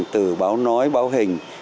từ báo nói báo hình